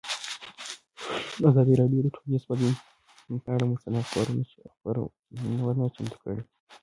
ازادي راډیو د ټولنیز بدلون پر اړه مستند خپرونه چمتو کړې.